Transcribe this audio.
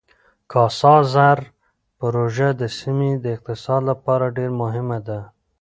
کاسا زر پروژه د سیمې د اقتصاد لپاره ډېره مهمه ده.